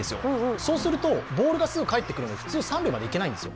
そうするとボールがすぐ返ってくるので普通、３塁までいけないんですよ。